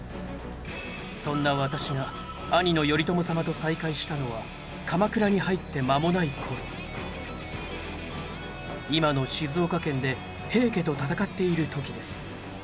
そんな私が兄の頼朝様と再会したのは鎌倉に入って間もない頃今の静岡県で平家と戦っている時です。